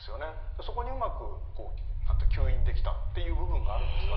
そこにうまく吸引できたっていう部分があるんですかね。